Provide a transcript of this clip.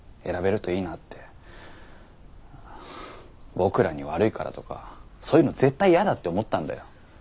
僕らに悪いからとかそういうの絶対イヤだって思ったんだよ。